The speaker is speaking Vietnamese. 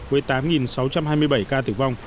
với tám sáu trăm hai mươi bảy ca tử vong